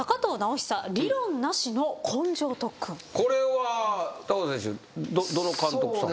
これは藤選手どの監督さん？